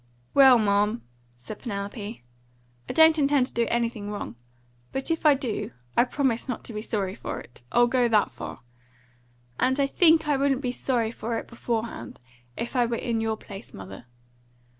"Well, ma'am," said Penelope, "I don't intend to do anything wrong; but if I do, I promise not to be sorry for it. I'll go that far. And I think I wouldn't be sorry for it beforehand, if I were in your place, mother.